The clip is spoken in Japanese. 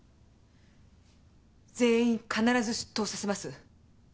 全員必ず出頭させます。